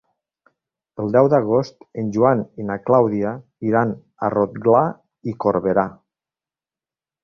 El deu d'agost en Joan i na Clàudia iran a Rotglà i Corberà.